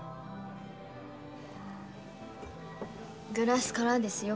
グラスカラですよ。